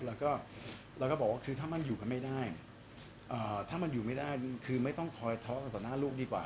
แล้วก็เราก็บอกว่าคือถ้ามันอยู่กันไม่ได้ถ้ามันอยู่ไม่ได้คือไม่ต้องคอยท้อต่อหน้าลูกดีกว่า